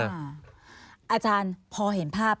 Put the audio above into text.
มาวิเชียร์นี่อาจารย์พอเห็นภาพ